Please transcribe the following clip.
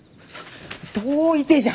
どういてじゃ！？